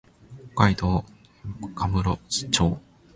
北海道芽室町